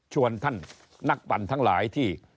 ชวนท่านนักปั่นทั้งหลายที่